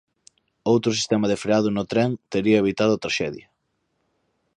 "Outro sistema de freado no tren tería evitado a traxedia".